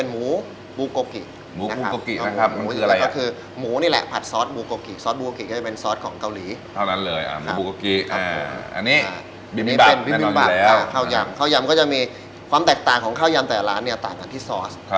ไม่ว่าจะทำกี่ครั้งก็มาทฐานต่อเดิม